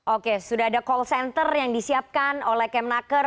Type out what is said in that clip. oke sudah ada call center yang disiapkan oleh kemnaker